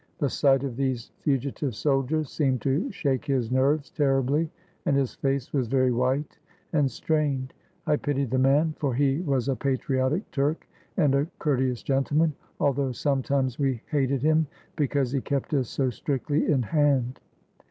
The sight of these fugitive soldiers seemed to shake his nerves terribly, and his face was very white and strained, I pitied the man, for he was a patriotic Turk and a cour teous gentleman, although sometimes we hated him be cause he kept us so strictly in hand.